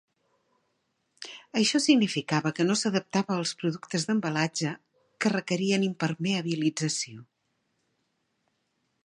Això significava que no s'adaptava als productes d'embalatge que requerien impermeabilització.